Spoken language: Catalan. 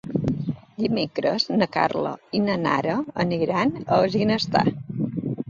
Dimecres na Carla i na Nara aniran a Ginestar.